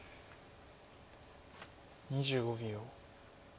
２５秒。